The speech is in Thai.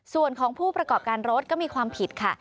ส่วนของผู้ประกอบการรถก็มีความผิดค่ะ